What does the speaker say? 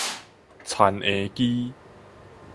田嬰機